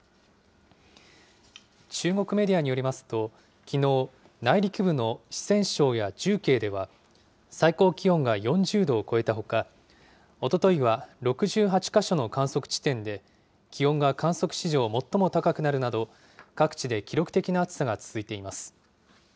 中国メディアによりますと、きのう、内陸部の四川省や重慶では、最高気温が４０度を超えたほか、おとといは６８か所の観測地点で、気温が観測史上最も高くなるなど、各地で記録的な暑さが続いています。